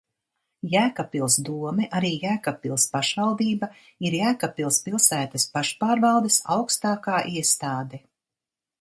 Jēkabpils dome, arī Jēkabpils pašvaldība, ir Jēkabpils pilsētas pašpārvaldes augstākā iestāde.